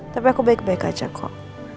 tapi aku baik baik aja kok